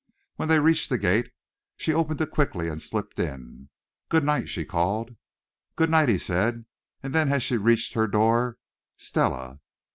When they reached the gate she opened it quickly and slipped in. "Good night," she called. "Good night," he said, and then as she reached her door, "Stella!"